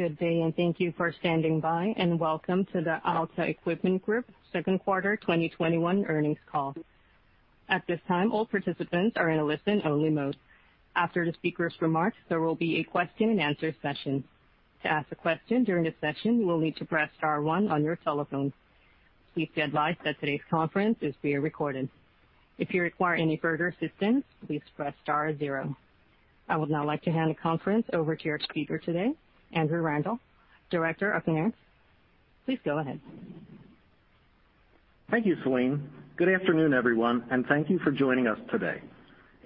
Good day, thank you for standing by, and welcome to the Alta Equipment Group second quarter 2021 earnings call. At this time, all participants are in a listen-only mode. After the speakers' remarks, there will be a question-and-answer session. To ask a question during this session, you will need to press star one on your telephone. Please be advised that today's conference is being recorded. If you require any further assistance, please press star zero. I would now like to hand the conference over to your speaker today, Andrew Rundle, Director of Finance. Please go ahead. Thank you, Celine. Good afternoon, everyone. Thank you for joining us today.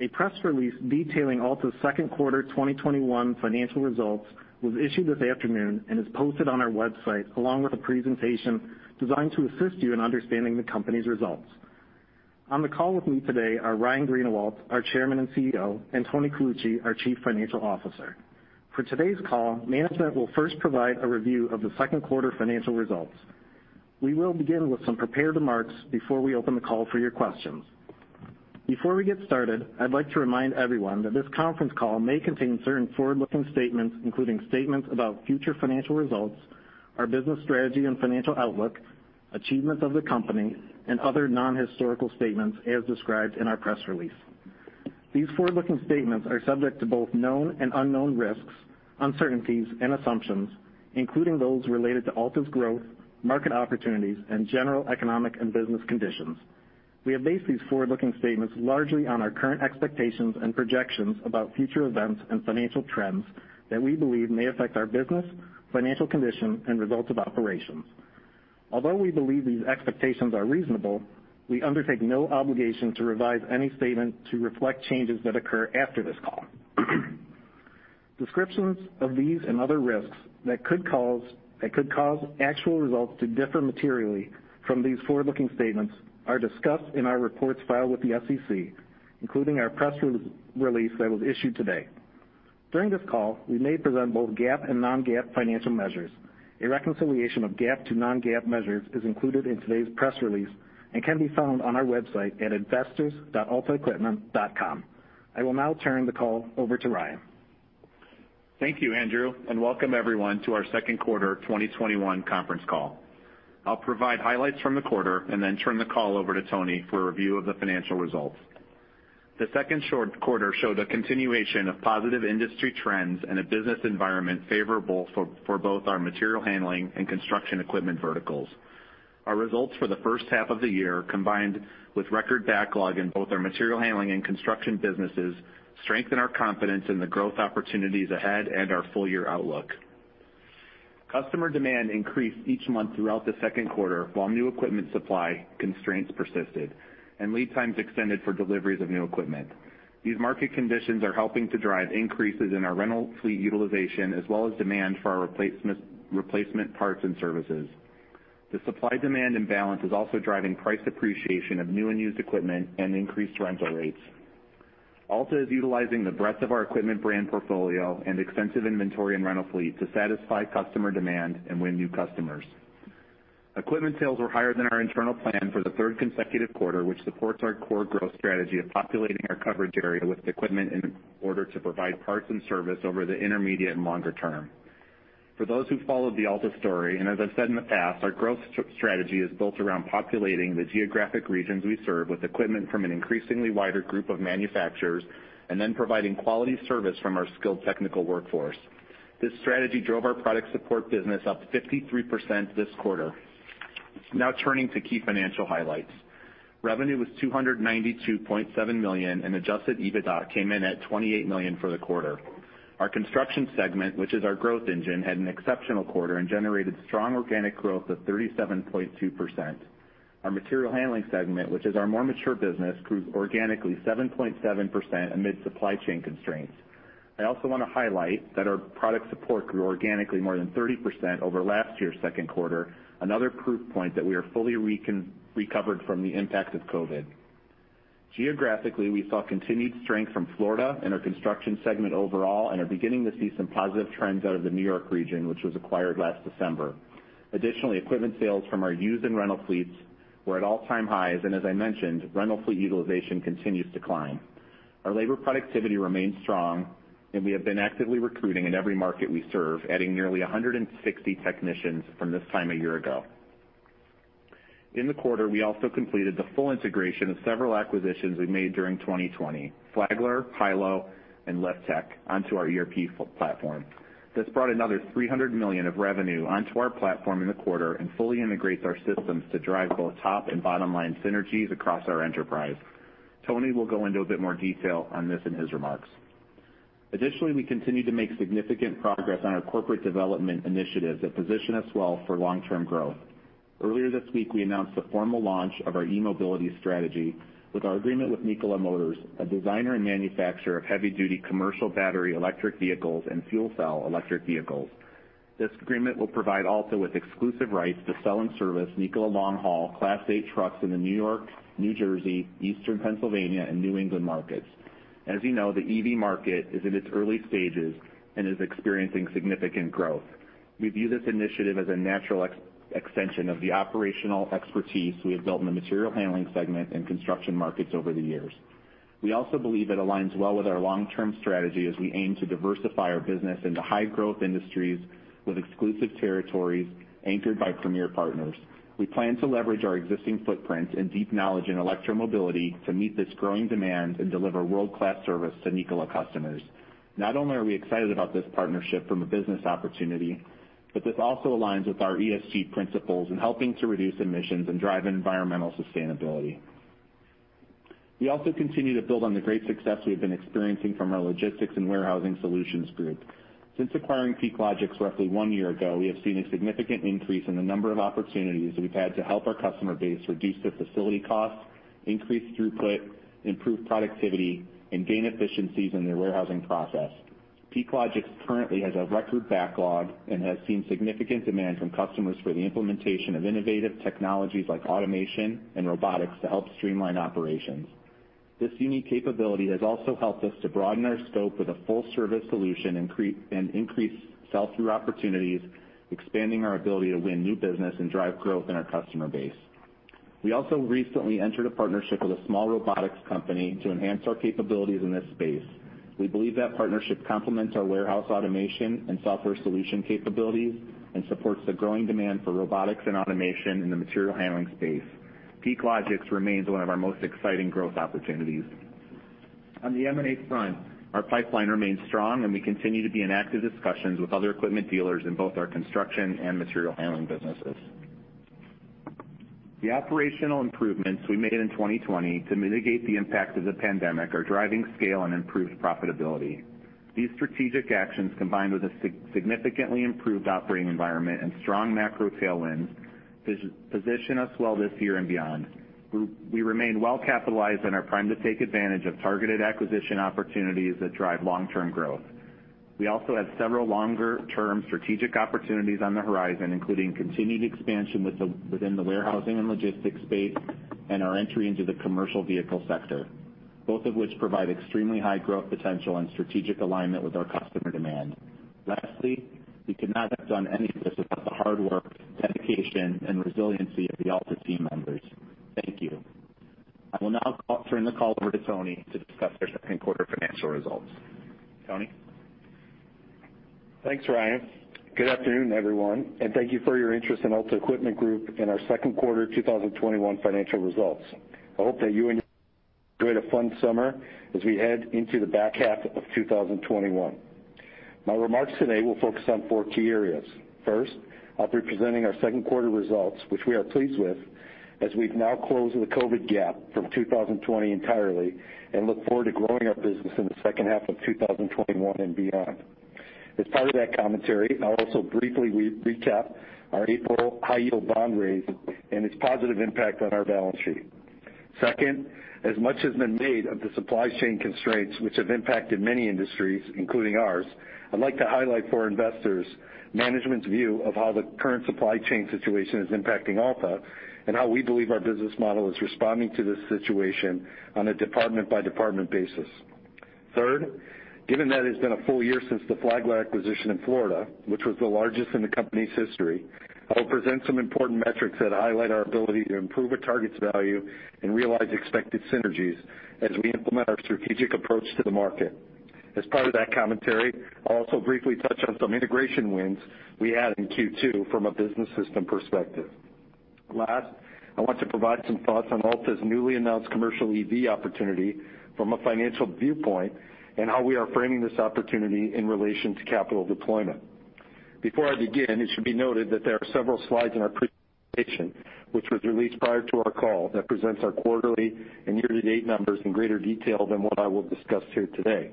A press release detailing Alta's second quarter 2021 financial results was issued this afternoon and is posted on our website, along with a presentation designed to assist you in understanding the company's results. On the call with me today are Ryan Greenawalt, our Chairman and CEO, and Tony Colucci, our Chief Financial Officer. For today's call, management will first provide a review of the second quarter financial results. We will begin with some prepared remarks before we open the call for your questions. Before we get started, I'd like to remind everyone that this conference call may contain certain forward-looking statements, including statements about future financial results, our business strategy and financial outlook, achievements of the company, and other non-historical statements as described in our press release. These forward-looking statements are subject to both known and unknown risks, uncertainties, and assumptions, including those related to Alta's growth, market opportunities, and general economic and business conditions. We have based these forward-looking statements largely on our current expectations and projections about future events and financial trends that we believe may affect our business, financial condition, and results of operations. Although we believe these expectations are reasonable, we undertake no obligation to revise any statement to reflect changes that occur after this call. Descriptions of these and other risks that could cause actual results to differ materially from these forward-looking statements are discussed in our reports filed with the SEC, including our press release that was issued today. During this call, we may present both GAAP and non-GAAP financial measures. A reconciliation of GAAP to non-GAAP measures is included in today's press release and can be found on our website at investors.altaequipment.com. I will now turn the call over to Ryan. Thank you, Andrew, and welcome everyone to our second quarter 2021 conference call. I'll provide highlights from the quarter and then turn the call over to Tony for a review of the financial results. The second quarter showed a continuation of positive industry trends and a business environment favorable for both our material handling and construction equipment verticals. Our results for the first half of the year, combined with record backlog in both our material handling and construction businesses, strengthen our confidence in the growth opportunities ahead and our full-year outlook. Customer demand increased each month throughout the second quarter while new equipment supply constraints persisted and lead times extended for deliveries of new equipment. These market conditions are helping to drive increases in our rental fleet utilization, as well as demand for our replacement parts and services. The supply-demand imbalance is also driving price appreciation of new and used equipment and increased rental rates. Alta is utilizing the breadth of our equipment brand portfolio and extensive inventory and rental fleet to satisfy customer demand and win new customers. Equipment sales were higher than our internal plan for the third consecutive quarter, which supports our core growth strategy of populating our coverage area with equipment in order to provide parts and service over the intermediate and longer term. For those who've followed the Alta story, and as I've said in the past, our growth strategy is built around populating the geographic regions we serve with equipment from an increasingly wider group of manufacturers and then providing quality service from our skilled technical workforce. This strategy drove our product support business up 53% this quarter. Turning to key financial highlights. Revenue was $292.7 million, and adjusted EBITDA came in at $28 million for the quarter. Our construction segment, which is our growth engine, had an exceptional quarter and generated strong organic growth of 37.2%. Our material handling segment, which is our more mature business, grew organically 7.7% amid supply chain constraints. I also want to highlight that our product support grew organically more than 30% over last year's second quarter, another proof point that we are fully recovered from the impact of COVID. Geographically, we saw continued strength from Florida and our construction segment overall and are beginning to see some positive trends out of the New York region, which was acquired last December. Additionally, equipment sales from our used and rental fleets were at all-time highs and as I mentioned, rental fleet utilization continues to climb. Our labor productivity remains strong, we have been actively recruiting in every market we serve, adding nearly 160 technicians from this time a year ago. In the quarter, we also completed the full integration of several acquisitions we made during 2020, Flagler, Hilo, and Liftech onto our ERP platform. This brought another $300 million of revenue onto our platform in the quarter and fully integrates our systems to drive both top and bottom-line synergies across our enterprise. Tony will go into a bit more detail on this in his remarks. Additionally, we continue to make significant progress on our corporate development initiatives that position us well for long-term growth. Earlier this week, we announced the formal launch of our e-mobility strategy with our agreement with Nikola Motors, a designer and manufacturer of heavy-duty commercial battery-electric vehicles and fuel cell electric vehicles. This agreement will provide Alta with exclusive rights to sell and service Nikola long-haul Class 8 trucks in the New York, New Jersey, Eastern Pennsylvania, and New England markets. As you know, the EV market is in its early stages and is experiencing significant growth. We view this initiative as a natural extension of the operational expertise we have built in the material handling segment and construction markets over the years. We also believe it aligns well with our long-term strategy as we aim to diversify our business into high-growth industries with exclusive territories anchored by premier partners. We plan to leverage our existing footprint and deep knowledge in electromobility to meet this growing demand and deliver world-class service to Nikola customers. Not only are we excited about this partnership from a business opportunity, but this also aligns with our ESG principles in helping to reduce emissions and drive environmental sustainability. We also continue to build on the great success we have been experiencing from our logistics and warehousing solutions group. Since acquiring PeakLogix roughly one year ago, we have seen a significant increase in the number of opportunities we've had to help our customer base reduce their facility costs, increase throughput, improve productivity, and gain efficiencies in their warehousing process. PeakLogix currently has a record backlog and has seen significant demand from customers for the implementation of innovative technologies like automation and robotics to help streamline operations. This unique capability has also helped us to broaden our scope with a full-service solution and increase sell-through opportunities, expanding our ability to win new business and drive growth in our customer base. We also recently entered a partnership with a small robotics company to enhance our capabilities in this space. We believe that partnership complements our warehouse automation and software solution capabilities and supports the growing demand for robotics and automation in the material handling space. PeakLogix remains one of our most exciting growth opportunities. On the M&A front, our pipeline remains strong, and we continue to be in active discussions with other equipment dealers in both our construction and material handling businesses. The operational improvements we made in 2020 to mitigate the impact of the pandemic are driving scale and improved profitability. These strategic actions, combined with a significantly improved operating environment and strong macro tailwinds, position us well this year and beyond. We remain well-capitalized and are primed to take advantage of targeted acquisition opportunities that drive long-term growth. We also have several longer-term strategic opportunities on the horizon, including continued expansion within the warehousing and logistics space and our entry into the commercial vehicle sector, both of which provide extremely high growth potential and strategic alignment with our customer demand. Lastly, we could not have done any of this without the hard work, dedication, and resiliency of the Alta team members. Thank you. I will now turn the call over to Tony to discuss our second-quarter financial results. Tony? Thanks, Ryan. Good afternoon, everyone, and thank you for your interest in Alta Equipment Group and our second quarter 2021 financial results. I hope that you enjoyed a fun summer as we head into the back half of 2021. My remarks today will focus on four key areas. First, I'll be presenting our second-quarter results, which we are pleased with, as we've now closed the COVID gap from 2020 entirely and look forward to growing our business in the second half of 2021 and beyond. As part of that commentary, I'll also briefly recap our April high-yield bond raise and its positive impact on our balance sheet. Second, as much has been made of the supply chain constraints which have impacted many industries, including ours, I'd like to highlight for investors management's view of how the current supply chain situation is impacting Alta and how we believe our business model is responding to this situation on a department-by-department basis. Third, given that it's been a full year since the Flagler acquisition in Florida, which was the largest in the company's history, I will present some important metrics that highlight our ability to improve a target's value and realize expected synergies as we implement our strategic approach to the market. As part of that commentary, I'll also briefly touch on some integration wins we had in Q2 from a business system perspective. Last, I want to provide some thoughts on Alta's newly announced commercial EV opportunity from a financial viewpoint and how we are framing this opportunity in relation to capital deployment. Before I begin, it should be noted that there are several slides in our presentation, which was released prior to our call, that presents our quarterly and year-to-date numbers in greater detail than what I will discuss here today.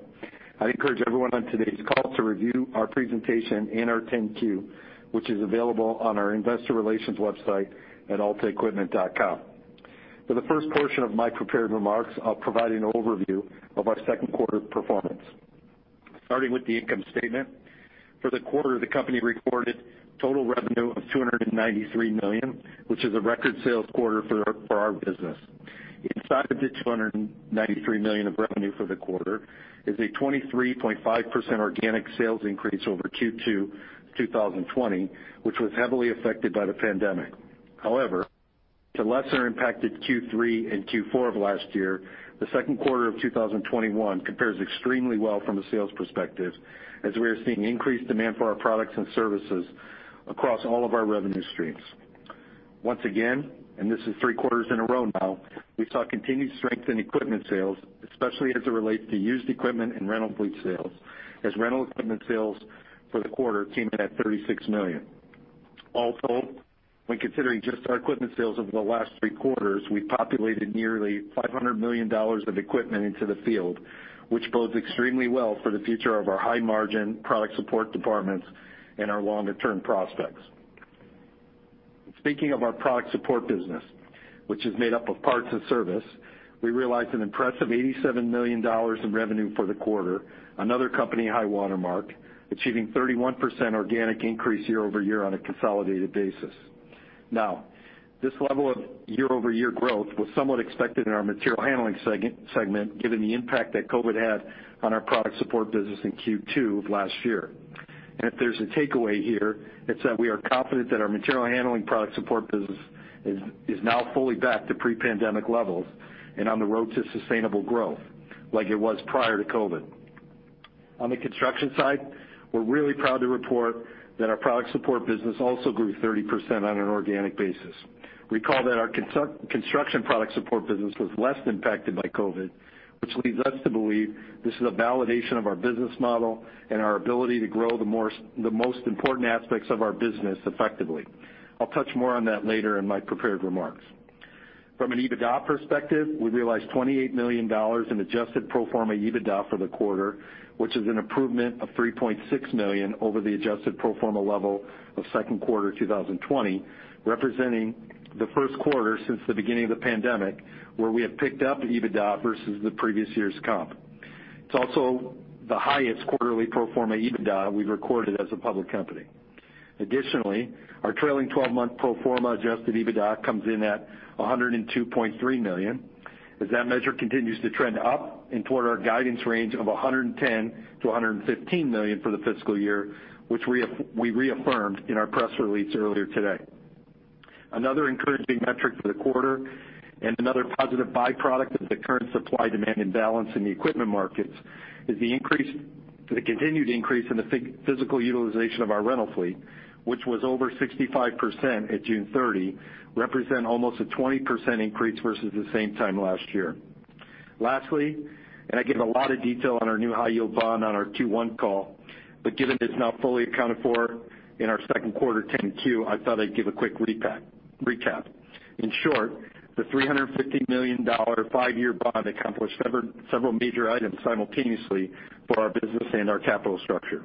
I'd encourage everyone on today's call to review our presentation and our 10-Q, which is available on our investor relations website at altaequipment.com. For the first portion of my prepared remarks, I'll provide an overview of our second-quarter performance. Starting with the income statement. For the quarter, the company recorded total revenue of $293 million, which is a record sales quarter for our business. Inside of the $293 million of revenue for the quarter is a 23.5% organic sales increase over Q2 2020, which was heavily affected by the pandemic. To lesser impacted Q3 and Q4 of last year, the second quarter of 2021 compares extremely well from a sales perspective as we are seeing increased demand for our products and services across all of our revenue streams. Once again, and this is three quarters in a row now, we saw continued strength in equipment sales, especially as it relates to used equipment and rental fleet sales, as rental equipment sales for the quarter came in at $36 million. When considering just our equipment sales over the last three quarters, we populated nearly $500 million of equipment into the field, which bodes extremely well for the future of our high-margin product support departments and our longer-term prospects. Speaking of our product support business, which is made up of parts and service, we realized an impressive $87 million in revenue for the quarter, another company high-water mark, achieving 31% organic increase year-over-year on a consolidated basis. Now, this level of year-over-year growth was somewhat expected in our material handling segment, given the impact that COVID had on our product support business in Q2 of last year. If there's a takeaway here, it's that we are confident that our material handling product support business is now fully back to pre-pandemic levels and on the road to sustainable growth, like it was prior to COVID. On the construction side, we're really proud to report that our product support business also grew 30% on an organic basis. Recall that our construction product support business was less impacted by COVID, which leads us to believe this is a validation of our business model and our ability to grow the most important aspects of our business effectively. I'll touch more on that later in my prepared remarks. From an EBITDA perspective, we realized $28 million in adjusted pro forma EBITDA for the quarter, which is an improvement of $3.6 million over the adjusted pro forma level of second quarter 2020, representing the first quarter since the beginning of the pandemic, where we have picked up EBITDA versus the previous year's comp. It's also the highest quarterly pro forma EBITDA we've recorded as a public company. Additionally, our trailing 12-month pro forma adjusted EBITDA comes in at $102.3 million, as that measure continues to trend up and toward our guidance range of $110 million-$115 million for the fiscal year, which we reaffirmed in our press release earlier today. Another encouraging metric for the quarter and another positive byproduct of the current supply-demand imbalance in the equipment markets is the continued increase in the physical utilization of our rental fleet, which was over 65% at June 30, represent almost a 20% increase versus the same time last year. Lastly, I gave a lot of detail on our new high-yield bond on our Q1 call, given it's now fully accounted for in our second quarter 10-Q, I thought I'd give a quick recap. In short, the $350 million five-year bond accomplished several major items simultaneously for our business and our capital structure.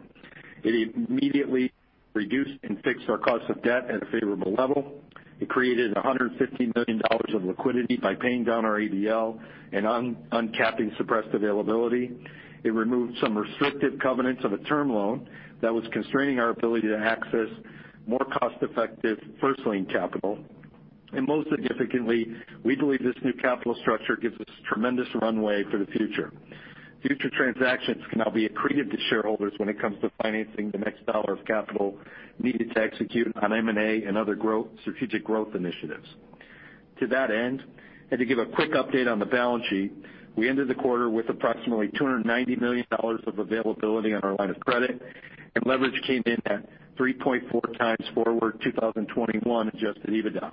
It immediately reduced and fixed our cost of debt at a favorable level. It created $150 million of liquidity by paying down our ABL and uncapping suppressed availability. It removed some restrictive covenants of a term loan that was constraining our ability to access more cost-effective first lien capital. Most significantly, we believe this new capital structure gives us tremendous runway for the future. Future transactions can now be accreted to shareholders when it comes to financing the next dollar of capital needed to execute on M&A and other strategic growth initiatives. To that end, and to give a quick update on the balance sheet, we ended the quarter with approximately $290 million of availability on our line of credit, and leverage came in at 3.4x forward 2021 adjusted EBITDA.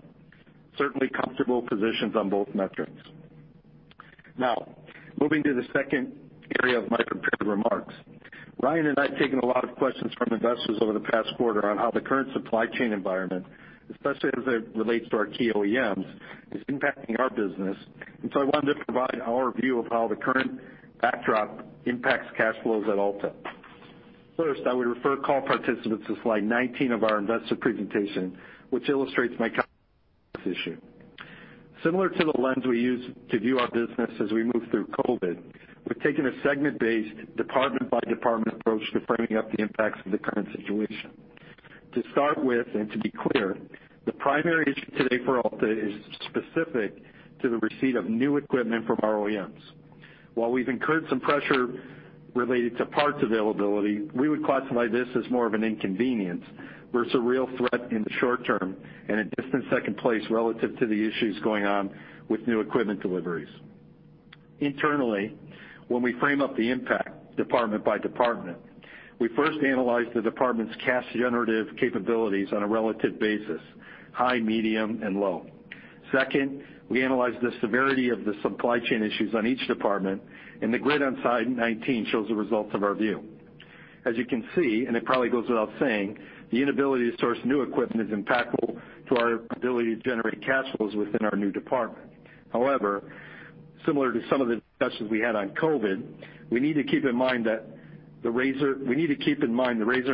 Certainly comfortable positions on both metrics. Now, moving to the second area of my prepared remarks. Ryan and I have taken a lot of questions from investors over the past quarter on how the current supply chain environment, especially as it relates to our key OEMs, is impacting our business, and so I wanted to provide our view of how the current backdrop impacts cash flows at Alta. First, I would refer call participants to slide 19 of our investor presentation, which illustrates my issue. Similar to the lens we use to view our business as we move through COVID, we've taken a segment-based, department-by-department approach to framing up the impacts of the current situation. To start with and to be clear, the primary issue today for Alta is specific to the receipt of new equipment from our OEMs. While we've incurred some pressure related to parts availability, we would classify this as more of an inconvenience versus a real threat in the short term and a distant second place relative to the issues going on with new equipment deliveries. Internally, when we frame up the impact department by department, we first analyze the department's cash generative capabilities on a relative basis, high, medium, and low. Second, we analyze the severity of the supply chain issues on each department, and the grid on slide 19 shows the results of our view. As you can see, and it probably goes without saying, the inability to source new equipment is impactful to our ability to generate cash flows within our new department. However, similar to some of the discussions we had on COVID, we need to keep in mind the razor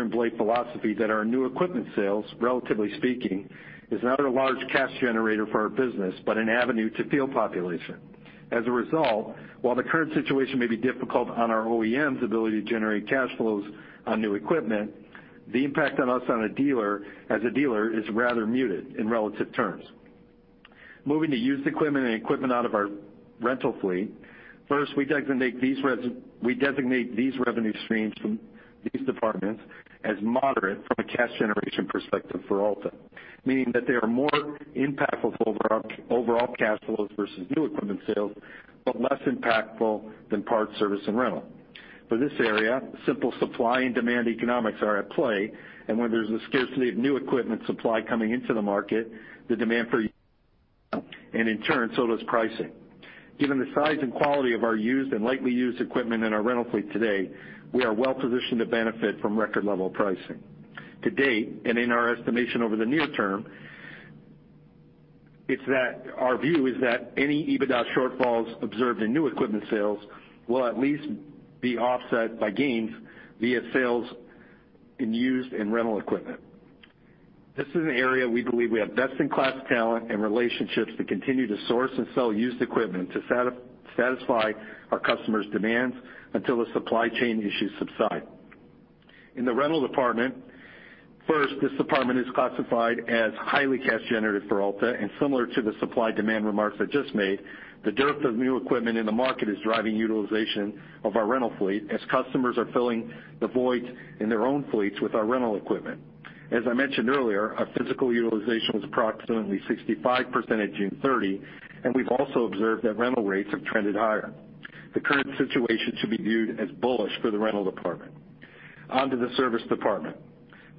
and blade philosophy that our new equipment sales, relatively speaking, is not a large cash generator for our business, but an avenue to field population. As a result, while the current situation may be difficult on our OEM's ability to generate cash flows on new equipment, the impact on us as a dealer is rather muted in relative terms. Moving to used equipment and equipment out of our rental fleet. First, we designate these revenue streams from these departments as moderate from a cash generation perspective for Alta, meaning that they are more impactful to overall cash flows versus new equipment sales, but less impactful than parts service and rental. For this area, simple supply and demand economics are at play, and when there's a scarcity of new equipment supply coming into the market, the demand for and in turn, so does pricing. Given the size and quality of our used and lightly used equipment in our rental fleet today, we are well-positioned to benefit from record-level pricing. To date, and in our estimation over the near term, our view is that any EBITDA shortfalls observed in new equipment sales will at least be offset by gains via sales in used and rental equipment. This is an area we believe we have best-in-class talent and relationships to continue to source and sell used equipment to satisfy our customers' demands until the supply chain issues subside. In the rental department, first, this department is classified as highly cash generative for Alta, and similar to the supply-demand remarks I just made, the dearth of new equipment in the market is driving utilization of our rental fleet as customers are filling the void in their own fleets with our rental equipment. As I mentioned earlier, our physical utilization was approximately 65% at June 30, and we've also observed that rental rates have trended higher. The current situation should be viewed as bullish for the rental department. On to the service department.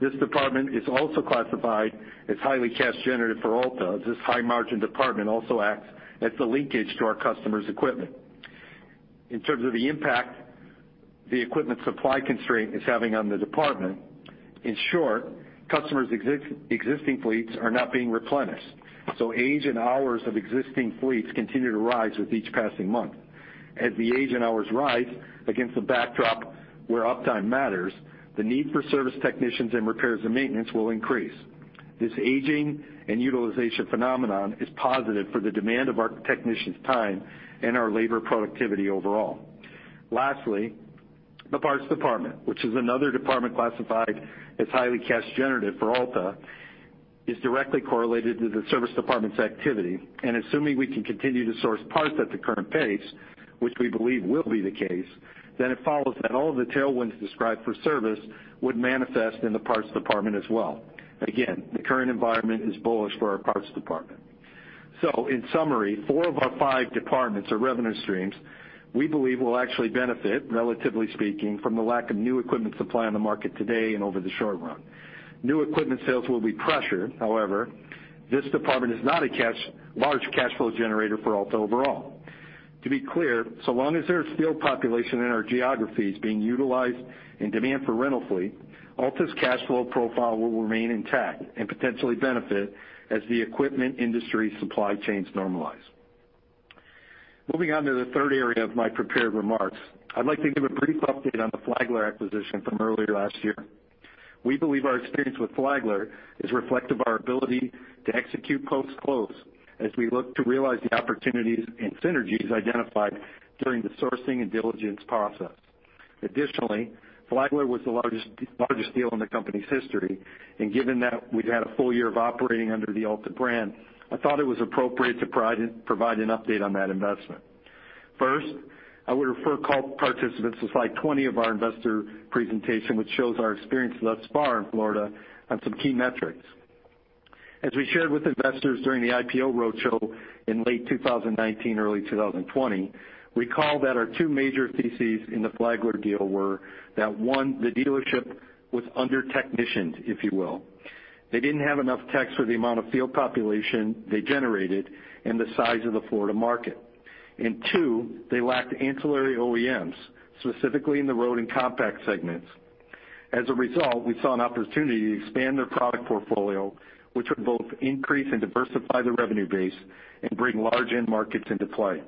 This department is also classified as highly cash-generative for Alta. This high-margin department also acts as a linkage to our customers' equipment. In terms of the impact the equipment supply constraint is having on the department, in short, customers' existing fleets are not being replenished, so age and hours of existing fleets continue to rise with each passing month. As the age and hours rise against the backdrop where uptime matters, the need for service technicians and repairs and maintenance will increase. This aging and utilization phenomenon is positive for the demand of our technicians' time and our labor productivity overall. Lastly, the parts department, which is another department classified as highly cash generative for Alta, is directly correlated to the service department's activity, and assuming we can continue to source parts at the current pace, which we believe will be the case, then it follows that all of the tailwinds described for service would manifest in the parts department as well. Again, the current environment is bullish for our parts department. In summary, four of our five departments or revenue streams, we believe will actually benefit, relatively speaking, from the lack of new equipment supply on the market today and over the short run. New equipment sales will be pressured. However, this department is not a large cash flow generator for Alta overall. To be clear, so long as there is field population in our geographies being utilized and demand for rental fleet, Alta's cash flow profile will remain intact and potentially benefit as the equipment industry supply chains normalize. Moving on to the third area of my prepared remarks, I'd like to give a brief update on the Flagler acquisition from earlier last year. We believe our experience with Flagler is reflective of our ability to execute post-close as we look to realize the opportunities and synergies identified during the sourcing and diligence process. Additionally, Flagler was the largest deal in the company's history, and given that we've had a full year of operating under the Alta brand, I thought it was appropriate to provide an update on that investment. First, I would refer call participants to slide 20 of our investor presentation, which shows our experience thus far in Florida on some key metrics. As we shared with investors during the IPO road show in late 2019, early 2020, recall that our two major theses in the Flagler deal were that, one, the dealership was under-technicianed, if you will. They didn't have enough techs for the amount of field population they generated and the size of the Florida market. Two, they lacked ancillary OEMs, specifically in the road and compact segments. As a result, we saw an opportunity to expand their product portfolio, which would both increase and diversify the revenue base and bring large end markets into play.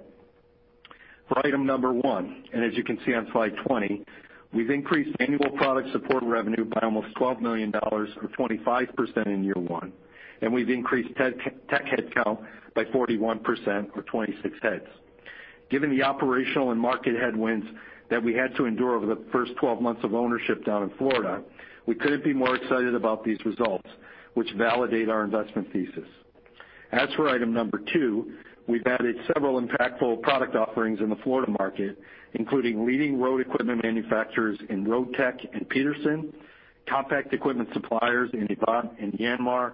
For item number 1, as you can see on slide 20, we've increased annual product support revenue by almost $12 million or 25% in year one, and we've increased tech headcount by 41% or 26 heads. Given the operational and market headwinds that we had to endure over the first 12 months of ownership down in Florida, we couldn't be more excited about these results, which validate our investment thesis. As for item number 2, we've added several impactful product offerings in the Florida market, including leading road equipment manufacturers in Roadtec and Peterson, compact equipment suppliers in Avant and Yanmar,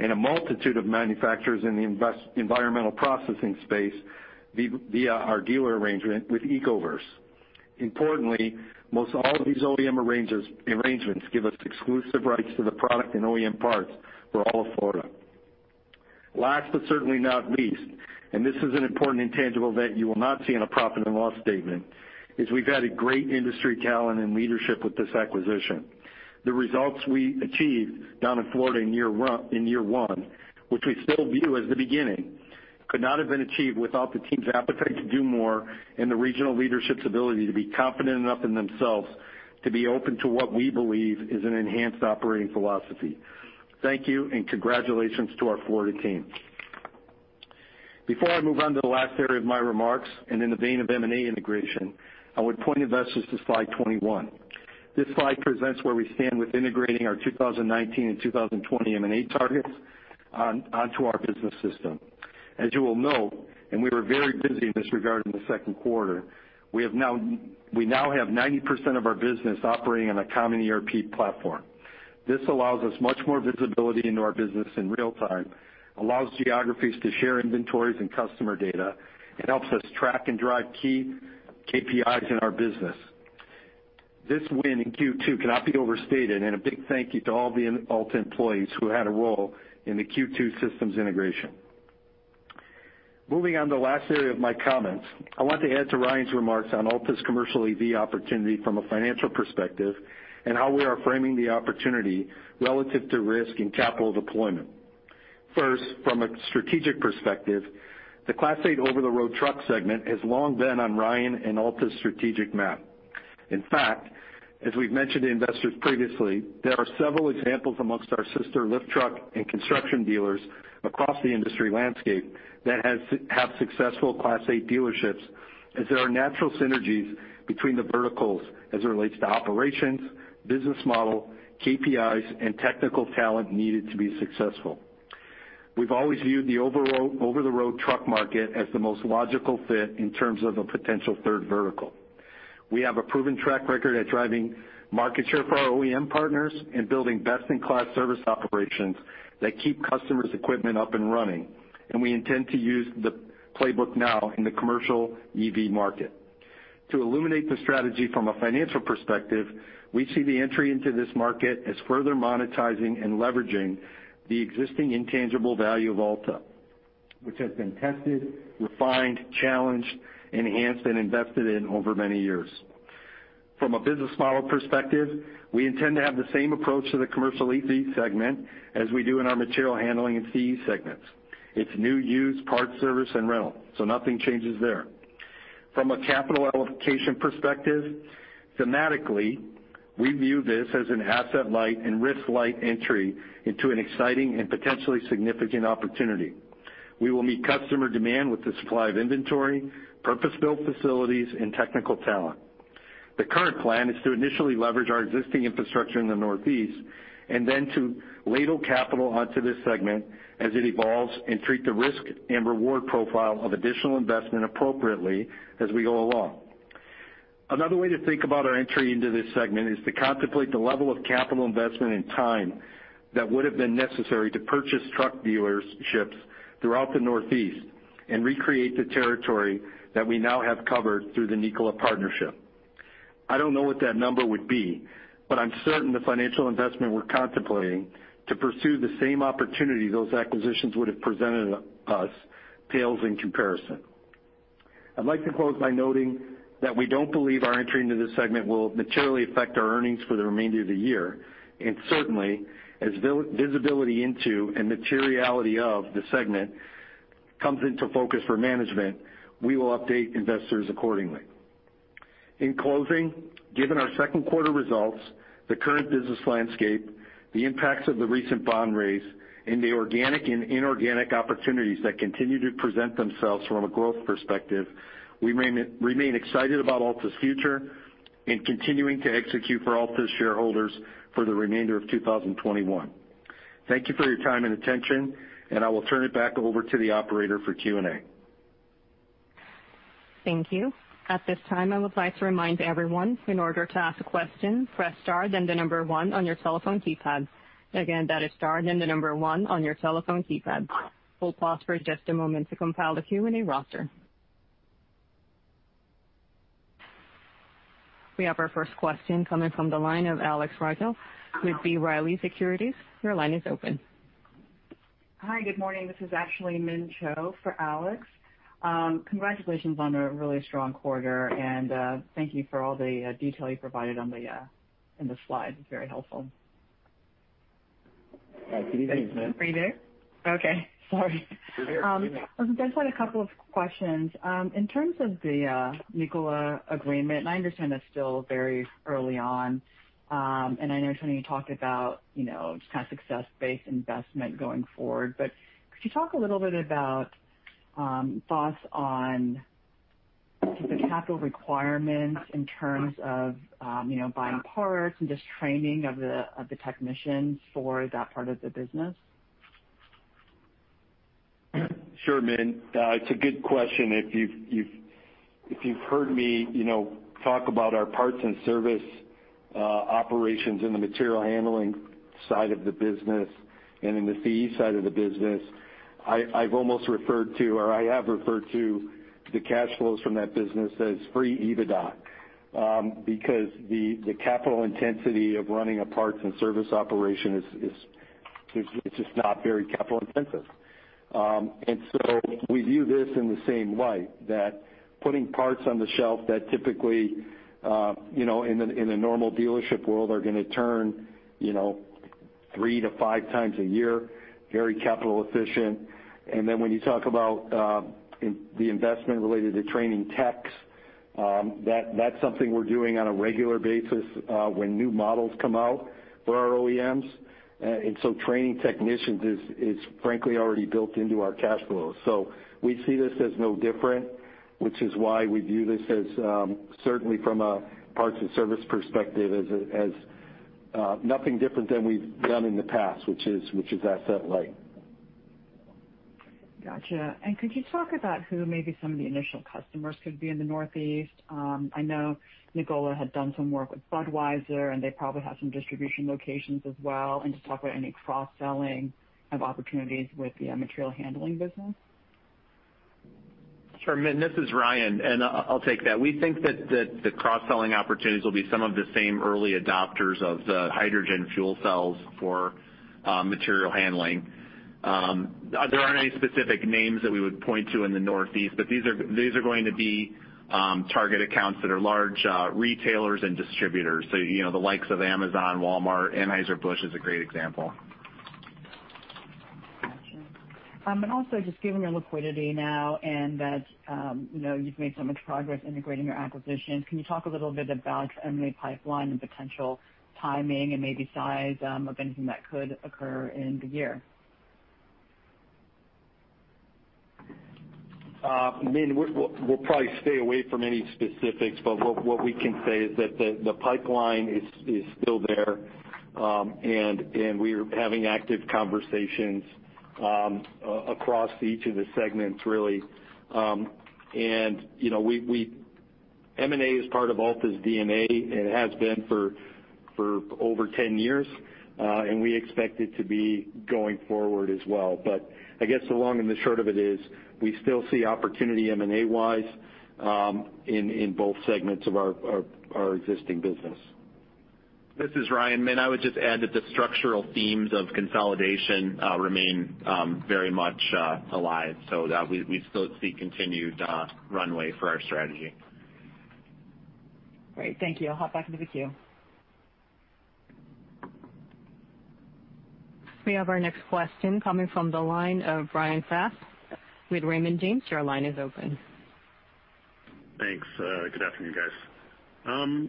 and a multitude of manufacturers in the environmental processing space via our dealer arrangement with Ecoverse. Importantly, most all of these OEM arrangements give us exclusive rights to the product and OEM parts for all of Florida. Last but certainly not least, and this is an important intangible that you will not see in a profit and loss statement, is we've added great industry talent and leadership with this acquisition. The results we achieved down in Florida in year one, which we still view as the beginning, could not have been achieved without the team's appetite to do more and the regional leadership's ability to be confident enough in themselves to be open to what we believe is an enhanced operating philosophy. Thank you, and congratulations to our Florida team. Before I move on to the last area of my remarks, and in the vein of M&A integration, I would point investors to slide 21. This slide presents where we stand with integrating our 2019 and 2020 M&A targets onto our business system. As you will note, and we were very busy in this regard in the second quarter, we now have 90% of our business operating on a common ERP platform. This allows us much more visibility into our business in real time, allows geographies to share inventories and customer data, and helps us track and drive key KPIs in our business. This win in Q2 cannot be overstated, and a big thank you to all the Alta employees who had a role in the Q2 systems integration. Moving on to the last area of my comments, I want to add to Ryan Greenawalt's remarks on Alta's commercial EV opportunity from a financial perspective and how we are framing the opportunity relative to risk and capital deployment. First, from a strategic perspective, the Class 8 over-the-road truck segment has long been on Ryan and Alta's strategic map. In fact, as we've mentioned to investors previously, there are several examples amongst our sister lift truck and construction dealers across the industry landscape that have successful Class 8 dealerships, as there are natural synergies between the verticals as it relates to operations, business model, KPIs, and technical talent needed to be successful. We've always viewed the over-the-road truck market as the most logical fit in terms of a potential third vertical. We have a proven track record at driving market share for our OEM partners and building best-in-class service operations that keep customers' equipment up and running. We intend to use the playbook now in the commercial EV market. To illuminate the strategy from a financial perspective, we see the entry into this market as further monetizing and leveraging the existing intangible value of Alta, which has been tested, refined, challenged, enhanced, and invested in over many years. From a business model perspective, we intend to have the same approach to the commercial EV segment as we do in our material handling and CE segments. It's new, used, parts service, and rental. Nothing changes there. From a capital allocation perspective, thematically, we view this as an asset-light and risk-light entry into an exciting and potentially significant opportunity. We will meet customer demand with the supply of inventory, purpose-built facilities, and technical talent. The current plan is to initially leverage our existing infrastructure in the Northeast, and then to ladle capital onto this segment as it evolves and treat the risk and reward profile of additional investment appropriately as we go along. Another way to think about our entry into this segment is to contemplate the level of capital investment and time that would've been necessary to purchase truck dealerships throughout the Northeast and recreate the territory that we now have covered through the Nikola partnership. I don't know what that number would be, but I'm certain the financial investment we're contemplating to pursue the same opportunity those acquisitions would've presented us pales in comparison. I'd like to close by noting that we don't believe our entry into this segment will materially affect our earnings for the remainder of the year. Certainly, as visibility into and materiality of the segment comes into focus for management, we will update investors accordingly. In closing, given our second quarter results, the current business landscape, the impacts of the recent bond raise, and the organic and inorganic opportunities that continue to present themselves from a growth perspective, we remain excited about Alta's future and continuing to execute for Alta's shareholders for the remainder of 2021. Thank you for your time and attention. I will turn it back over to the operator for Q&A. Thank you. At this time, I would like to remind everyone, in order to ask a question, press star then the number one on your telephone keypad. Again, that is star then the number one on your telephone keypad. We'll pause for just a moment to compile the Q&A roster. We have our first question coming from the line of Alex Rygiel with B. Riley Securities. Your line is open. Hi. Good morning. This is actually Min Cho for Alex. Congratulations on a really strong quarter, and thank you for all the detail you provided in the slides. Very helpful. Good evening, Min. Are you there? Okay, sorry. We're here. I just had a couple of questions. In terms of the Nikola agreement, and I understand it's still very early on, and I know, Tony, you talked about just kind of success-based investment going forward, but could you talk a little bit about thoughts on the capital requirements in terms of buying parts and just training of the technicians for that part of the business? Sure, Min. It's a good question. If you've heard me talk about our parts and service operations in the material handling side of the business and in the CE side of the business, I've almost referred to, or I have referred to the cash flows from that business as free EBITDA because the capital intensity of running a parts and service operation is just not very capital-intensive. We view this in the same light, that putting parts on the shelf that typically, in a normal dealership world are going to turn three to five times a year, very capital efficient. When you talk about the investment related to training techs, that's something we're doing on a regular basis when new models come out for our OEMs. Training technicians is frankly already built into our cash flows. We see this as no different, which is why we view this as, certainly from a parts and service perspective, as nothing different than we've done in the past, which is asset light. Got you. Could you talk about who maybe some of the initial customers could be in the Northeast? I know Nikola had done some work with Budweiser, and they probably have some distribution locations as well, and just talk about any cross-selling of opportunities with the material handling business? Sure, Min. This is Ryan, and I'll take that. We think that the cross-selling opportunities will be some of the same early adopters of the hydrogen fuel cells for material handling. There aren't any specific names that we would point to in the Northeast, but these are going to be target accounts that are large retailers and distributors. The likes of Amazon, Walmart. Anheuser-Busch is a great example. Got you. Also, just given your liquidity now and that you've made so much progress integrating your acquisitions, can you talk a little bit about M&A pipeline and potential timing and maybe size of anything that could occur in the year? Min, we'll probably stay away from any specifics. What we can say is that the pipeline is still there. We're having active conversations across each of the segments, really. M&A is part of Alta's DNA, and it has been for over 10 years. We expect it to be going forward as well. I guess the long and the short of it is we still see opportunity M&A-wise in both segments of our existing business. This is Ryan. Min, I would just add that the structural themes of consolidation remain very much alive. We still see continued runway for our strategy. Great. Thank you. I'll hop back into the queue. We have our next question coming from the line of Bryan Fast with Raymond James. Your line is open. Thanks. Good afternoon, guys.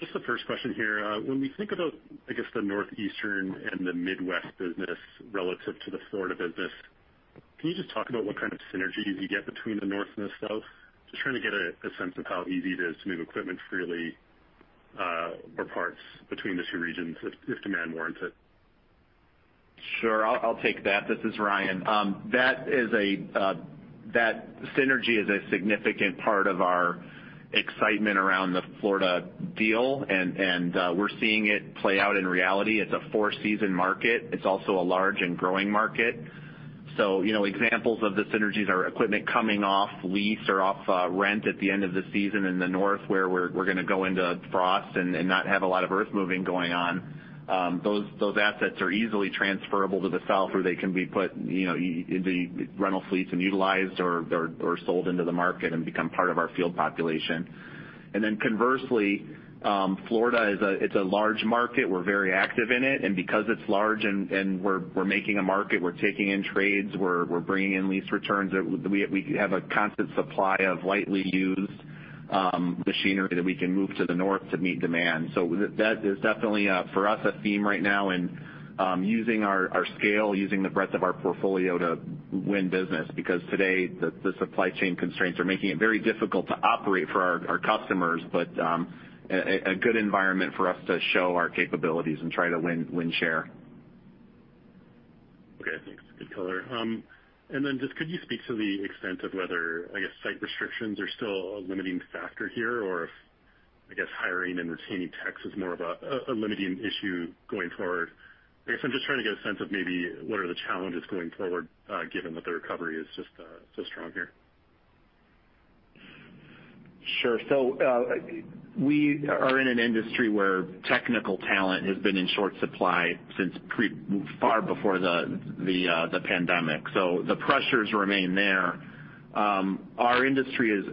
Just the first question here. When we think about, I guess, the Northeastern and the Midwest business relative to the Florida business, can you just talk about what kind of synergies you get between the North and the South? Just trying to get a sense of how easy it is to move equipment freely or parts between the two regions if demand warrants it. Sure. I'll take that. This is Ryan. That synergy is a significant part of our excitement around the Florida deal, and we're seeing it play out in reality. It's a four-season market. It's also a large and growing market. Examples of the synergies are equipment coming off lease or off rent at the end of the season in the North, where we're going to go into frost and not have a lot of earthmoving going on. Those assets are easily transferable to the South, where they can be put in the rental fleets and utilized or sold into the market and become part of our field population. Conversely, Florida is a large market. We're very active in it. Because it's large and we're making a market, we're taking in trades, we're bringing in lease returns. We have a constant supply of lightly used machinery that we can move to the North to meet demand. That is definitely, for us, a theme right now in using our scale, using the breadth of our portfolio to win business. Because today, the supply chain constraints are making it very difficult to operate for our customers, but a good environment for us to show our capabilities and try to win share. Okay, thanks. Good color. Just could you speak to the extent of whether, I guess, site restrictions are still a limiting factor here, or if, I guess, hiring and retaining techs is more of a limiting issue going forward? I guess I'm just trying to get a sense of maybe what are the challenges going forward given that the recovery is just so strong here. Sure. We are in an industry where technical talent has been in short supply since far before the pandemic. The pressures remain there. Our industry is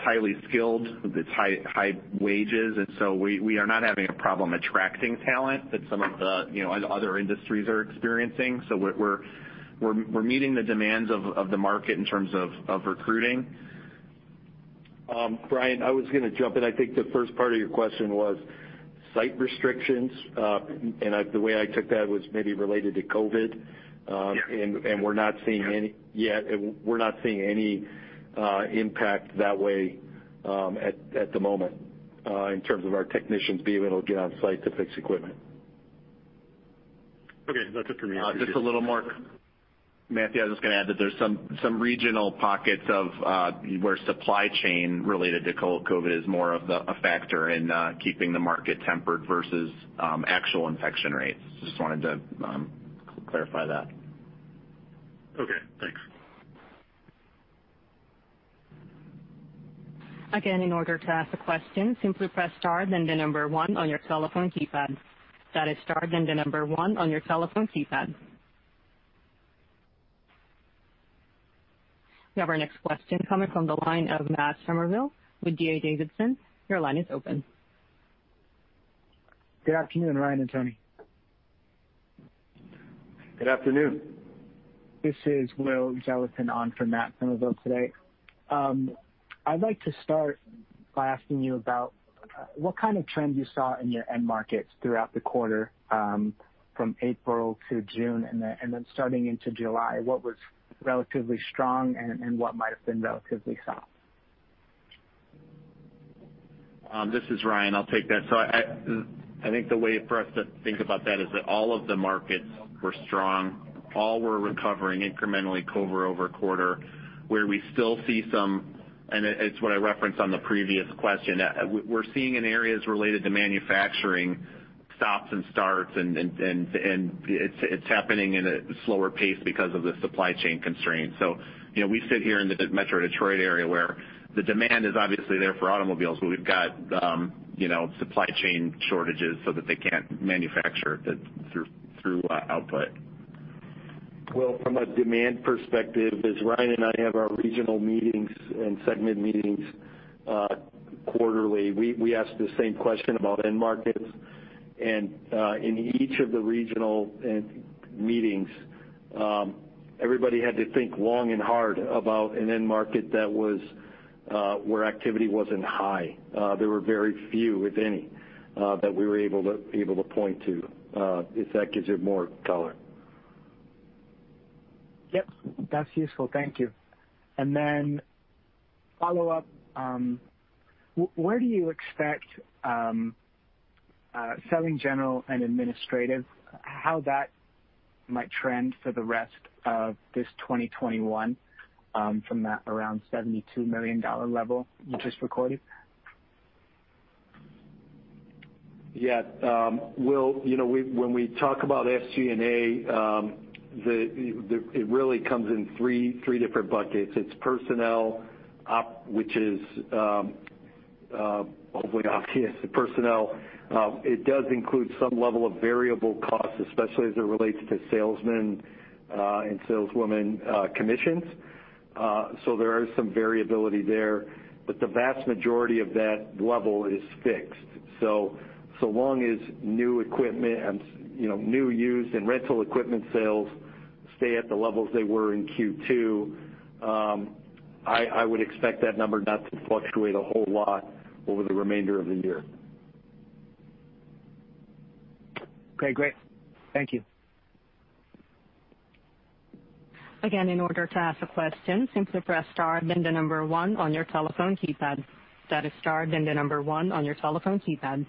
highly skilled. It's high wages, we are not having a problem attracting talent that some of the other industries are experiencing. We're meeting the demands of the market in terms of recruiting. Bryan, I was going to jump in. I think the first part of your question was site restrictions. The way I took that was maybe related to COVID. Yes. We're not seeing any yet. We're not seeing any impact that way at the moment in terms of our technicians being able to get on-site to fix equipment. Okay. That's it for me. Appreciate it. Just a little more math here, I was just going to add that there's some regional pockets of where supply chain related to COVID is more of a factor in keeping the market tempered versus actual infection rates. Just wanted to clarify that. Okay, thanks. Again, in order to ask a question, simply press star then the number one on your telephone keypad. That is star then the number one on your telephone keypad. We have our next question coming from the line of Matt Summerville with D.A. Davidson. Your line is open. Good afternoon, Ryan and Tony. Good afternoon. This is Will Jellison on for Matt Summerville today. I'd like to start by asking you about what kind of trend you saw in your end markets throughout the quarter from April to June and then starting into July. What was relatively strong and what might've been relatively soft? This is Ryan. I'll take that. I think the way for us to think about that is that all of the markets were strong. All were recovering incrementally quarter-over-quarter. Where we still see some, and it's what I referenced on the previous question, we're seeing in areas related to manufacturing stops and starts, and it's happening in a slower pace because of the supply chain constraints. We sit here in the Metro Detroit area where the demand is obviously there for automobiles, but we've got supply chain shortages so that they can't manufacture through output. Well, from a demand perspective, as Ryan and I have our regional meetings and segment meetings quarterly, we ask the same question about end markets. In each of the regional meetings everybody had to think long and hard about an end market where activity wasn't high. There were very few, if any, that we were able to point to. If that gives you more color. Yep. That's useful. Thank you. Follow-up. Where do you expect Selling, General and Administrative, how that might trend for the rest of 2021 from that around $72 million level you just recorded? Yeah. Will, when we talk about SG&A, it really comes in three different buckets. It's personnel, which is hopefully obvious. The personnel. It does include some level of variable costs, especially as it relates to salesmen and saleswomen commissions. There is some variability there. The vast majority of that level is fixed. So long as new equipment and new used and rental equipment sales stay at the levels they were in Q2, I would expect that number not to fluctuate a whole lot over the remainder of the year. Okay, great. Thank you. Again, in order to ask a question, simply press star then the number one on your telephone keypad. That is star then the number one on your telephone keypad.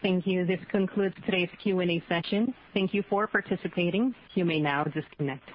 Thank you. This concludes today's Q&A session. Thank you for participating. You may now disconnect.